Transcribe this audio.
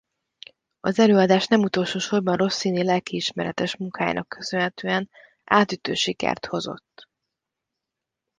Az előadás nem utolsósorban Rossini lelkiismeretes munkájának köszönhetően átütő sikert hozott.